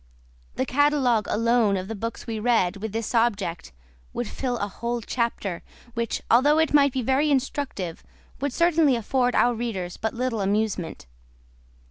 The catalogue alone of the books we read with this object would fill a whole chapter, which, although it might be very instructive, would certainly afford our readers but little amusement.